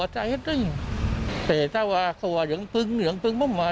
แต่ถ้าว่าเขาว่าเหลืองพึงเหลืองพึงไม่มา